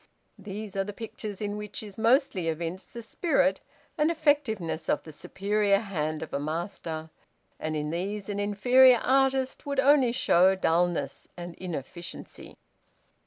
These are the pictures in which is mostly evinced the spirit and effectiveness of the superior hand of a master; and in these an inferior artist would only show dulness and inefficiency.